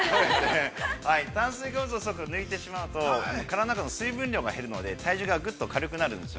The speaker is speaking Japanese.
炭水化物を抜いてしまうと、体の中の水分量が減るので、体重がぐっと軽くなるんですよ。